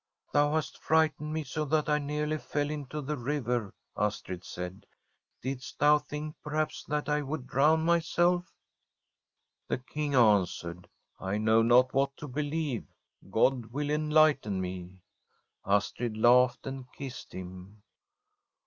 ' Thou hast frightened me so that I nearly fell into the river,' Astrid said. * Didst thou think, perhaps, that I would drown myself? ' The King answered : From a SWEDISH HOMESTEAD ' I know not what to believe ; God will en lighten me.' Astrid laughed and kissed him.